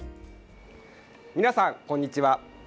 皆さん、こんにちは。